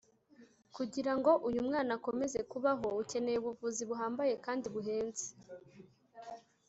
Kugira ngo uyu mwana akomeze kubaho akeneye ubuvuzi buhambaye kandi buhenze